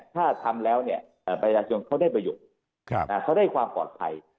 ถ้าทำแล้วเนี่ยประชาชนเขาได้ประโยชน์เขาได้ความปลอดภัย